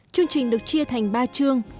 chương trình được chia thành ba chương